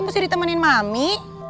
mesti ditemenin mami